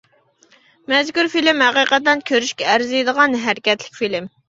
مەزكۇر فىلىم ھەقىقەتەن كۆرۈشكە ئەرزىيدىغان ھەرىكەتلىك فىلىم.